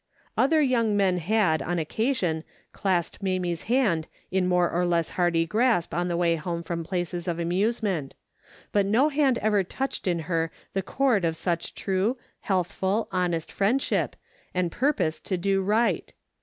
Other young men had, on occasion, clasped Mamie's hand in more or less hearty grasp on the way home from places of amusement, but no hand ever touched in her the chord of such true, healthful, honest friendship, and purpose to do right.